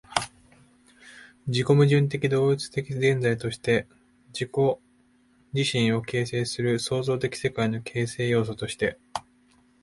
絶対矛盾的自己同一的現在として、自己自身を形成する創造的世界の形成要素として、